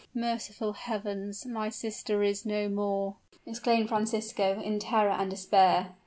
"Merciful Heavens! my sister is no more!" exclaimed Francisco, in terror and despair.